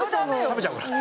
食べちゃうから。